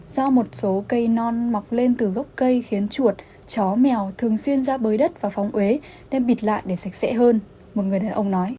do một số cây non mọc lên từ gốc cây khiến chuột chó mèo thường xuyên ra bới đất và phóng ế đem bịt lại để sạch sẽ hơn một người đàn ông nói